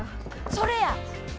それや！